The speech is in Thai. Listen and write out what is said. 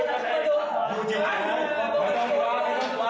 ก้าว